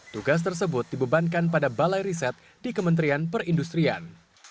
tugas tersebut dibebankan pada balai riset di kementerian perindustrian